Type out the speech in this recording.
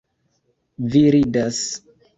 Vi ridas!